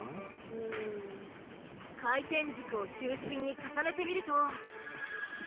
回転軸を中心に重ねてみると。